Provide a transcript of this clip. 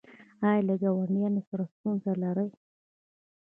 ایا له ګاونډیانو سره ستونزې لرئ؟